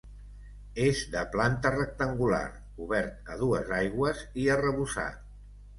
És de planta rectangular, cobert a dues aigües i arrebossat.